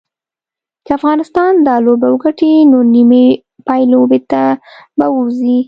که افغانستان دا لوبه وګټي نو نیمې پایلوبې ته به ووځي